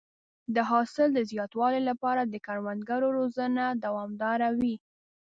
د حاصل د زیاتوالي لپاره د کروندګرو روزنه دوامداره وي.